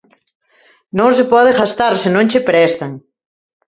Non se pode gastar se non che prestan.